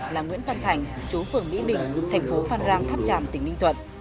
là nguyễn văn thành chú phường mỹ bình thành phố phan rang tháp tràm tỉnh ninh thuận